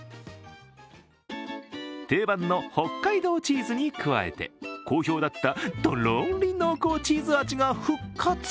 定番の北海道チーズに加えて好評だったとろり濃厚チーズ味が復活。